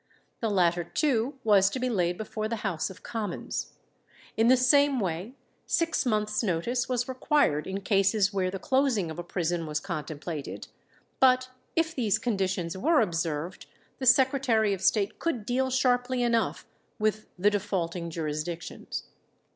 The latter too was to be laid before the House of Commons. In the same way, six months' notice was required in cases where the closing of a prison was contemplated; but if these conditions were observed, the Secretary of State could deal sharply enough with the defaulting jurisdictions.